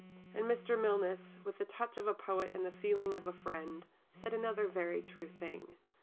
And Mr. Milnes, with the touch of a poet and the feeling of a friend, said another very true thing.